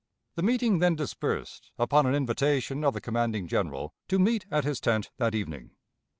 The meeting then dispersed upon an invitation of the commanding general to meet at his tent that evening.